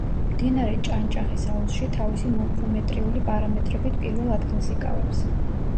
მდინარე ჭანჭახის აუზში თავისი მორფომეტრიული პარამეტრებით პირველ ადგილს იკავებს.